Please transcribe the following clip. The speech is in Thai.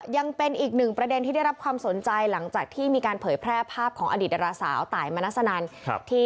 ยังเป็นอีกหนึ่งประเด็นที่ได้รับความสนใจหลังจากที่มีการเผยแพร่ภาพของอดีตดาราสาวตายมนัสนัน